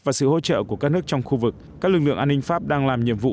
và sự hỗ trợ của các nước trong khu vực các lực lượng an ninh pháp đang làm nhiệm vụ